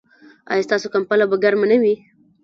ایا ستاسو کمپله به ګرمه نه وي؟